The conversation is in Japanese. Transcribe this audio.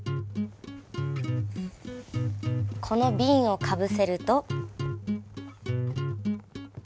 このビンをかぶせると。